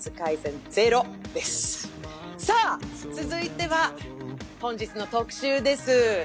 続いては本日の特集です。